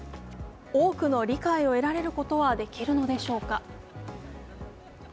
多くの理解を得られることはできるのでしょうか。